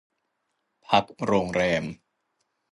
พักโรงแรม